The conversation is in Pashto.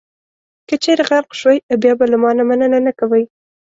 که چېرې غرق شوئ، بیا به له ما مننه نه کوئ.